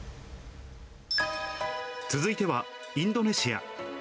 続いては、インドネシア。